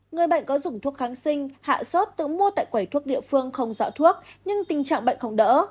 người bệnh có dùng thuốc kháng sinh hạ sốt tự mua tại quầy thuốc địa phương không rõ thuốc nhưng tình trạng bệnh không đỡ